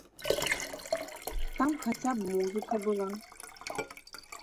Там хаця б музыка была!